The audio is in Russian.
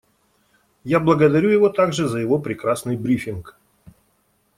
Я благодарю его также за его прекрасный брифинг.